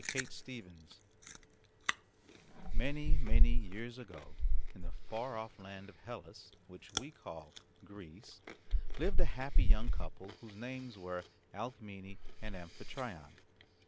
CHAPTER II HERCULES Many, many years ago in the far off land of Hellas, which we call Greece, lived a happy young couple whose names were Alcmene and Amphitryon.